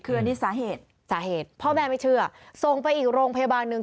คืออันนี้สาเหตุสาเหตุพ่อแม่ไม่เชื่อส่งไปอีกโรงพยาบาลหนึ่ง